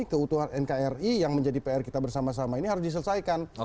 keutuhan nkri yang menjadi pr kita bersama sama ini harus diselesaikan